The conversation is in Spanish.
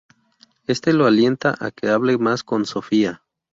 Este lo alienta a que hable más con Sofia.